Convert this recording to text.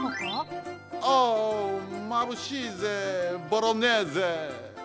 オーまぶしいぜボロネーゼ！